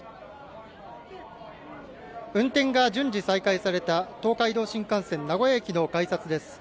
運転が順次再開された東海道新幹線名古屋駅の改札です。